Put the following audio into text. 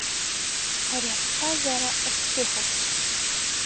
Ари аԥсҭазаара ашьшьыҳәа.